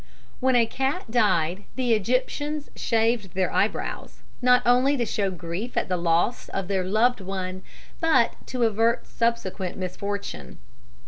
When a cat died the Egyptians shaved their eyebrows, not only to show grief at the loss of their loved one, but to avert subsequent misfortune.